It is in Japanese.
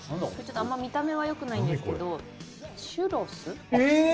あんま見た目はよくないんですけどチュロス！